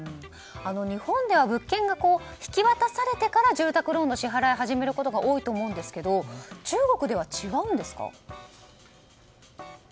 日本では物件が引き渡されてから住宅ローンの支払いを始めることが多いと思うんですけど中国では違うんですか？